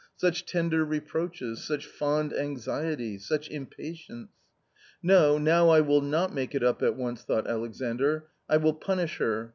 Such tender reproaches, such fond anxiety ! such impatience ! "No, now I will not make it up at once," thought Alexandr :•' I will punish her.